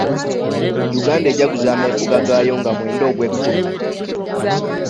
Uganda ejaguza ameefuga gaayo nga mwenda ogwekkumi.